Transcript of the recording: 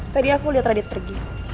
tadi aku lihat radit pergi